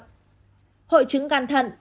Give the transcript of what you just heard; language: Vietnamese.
hội chứng gan thận